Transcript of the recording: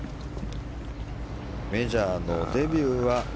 メジャーのデビューは。